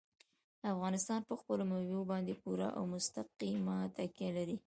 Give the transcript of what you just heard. افغانستان په خپلو مېوو باندې پوره او مستقیمه تکیه لري.